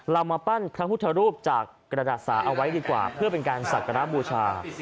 เรามาปั้นพระพุทธรูปจากกระดาษสาเอาไว้ดีกว่าเพื่อเป็นการสักการะบูชา